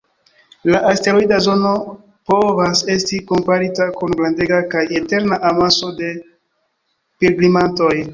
La asteroida zono povas esti komparita kun grandega kaj eterna amaso da pilgrimantoj.